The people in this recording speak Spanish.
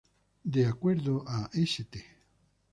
De acuerdo a "St.